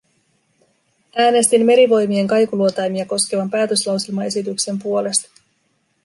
Äänestin merivoimien kaikuluotaimia koskevan päätöslauselmaesityksen puolesta.